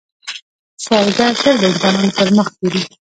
سوالګر تل د انسانانو پر مخ ګوري